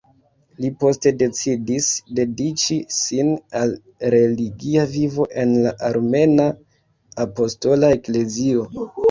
Li poste decidis dediĉi sin al religia vivo en la Armena Apostola Eklezio.